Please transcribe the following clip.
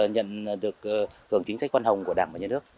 nhận được hưởng chính sách quan hồng của đảng và nhà nước